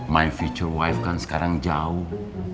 my future wive kan sekarang jauh